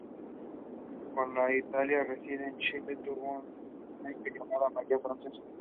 Con la italiana residente en Chile tuvo una hija, llamada María Francesca.